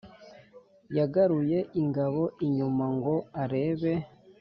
yagaruye ingabo inyuma ngo arebe